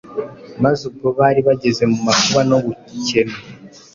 maze ubwo bari bageze mu makuba no gukwenwa,